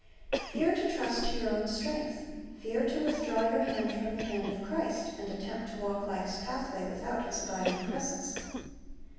Fear to trust to your own strength, fear to withdraw your hand from the hand of Christ, and attempt to walk life's pathway without His abiding presence.